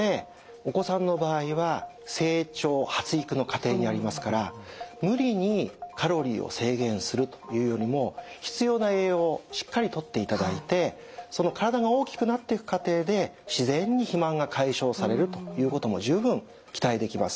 お子さんの場合は成長発育の過程にありますから無理にカロリーを制限するというよりも必要な栄養をしっかりとっていただいてその体が大きくなってく過程で自然に肥満が解消されるということも十分期待できます。